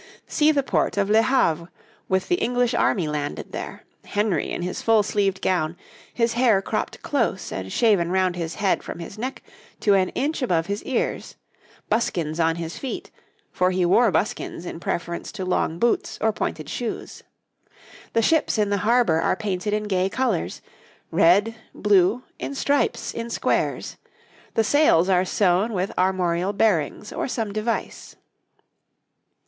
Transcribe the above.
] See the port of Le Havre, with the English army landed there Henry in his full sleeved gown, his hair cropped close and shaven round his head from his neck to an inch above his ears, buskins on his feet, for he wore buskins in preference to long boots or pointed shoes. The ships in the harbour are painted in gay colours red, blue, in stripes, in squares; the sails are sewn with armorial bearings or some device.